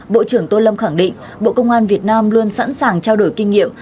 bộ trưởng tô lâm khẳng định bộ công an việt nam luôn sẵn sàng trao đổi kinh nghiệm